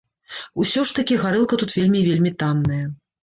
Усё ж такі, гарэлка тут вельмі і вельмі танная.